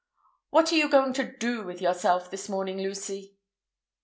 What are you doing with yourself this morning, Lucy?"